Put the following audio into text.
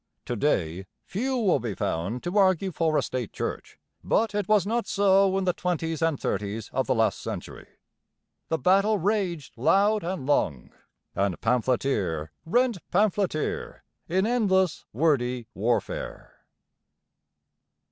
To day few will be found to argue for a state church; but it was not so in the twenties and thirties of the last century. The battle raged loud and long; and pamphleteer rent pamphleteer in endless, wordy warfare.